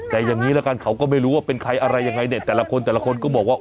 แต่อย่างนี้ละกันเขาก็ไม่รู้ว่าเป็นใครอะไรยังไงเนี่ยแต่ละคนแต่ละคนก็บอกว่า